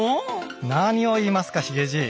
何を言いますかヒゲじい。